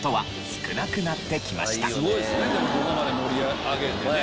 でもここまで盛り上げてね。